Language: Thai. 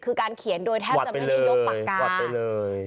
คือการเขียนโดยแทบจะไม่ได้ยกปากกาเลย